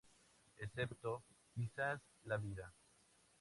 Excepto, quizás la vida.